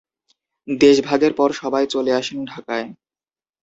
দেশভাগের পর সবাই চলে আসেন ঢাকায়।